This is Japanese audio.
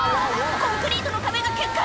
コンクリートの壁が決壊！